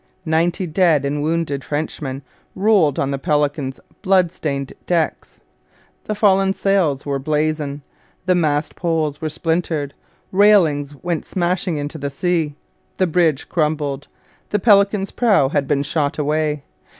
Ninety dead and wounded Frenchmen rolled on the Pelican's blood stained decks. The fallen sails were blazing. The mast poles were splintered. Railings went smashing into the sea. The bridge crumbled. The Pelican's prow had been shop away.